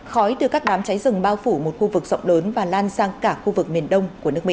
khói từ các đám cháy rừng bao phủ một khu vực rộng lớn và lan sang cả khu vực miền đông của nước mỹ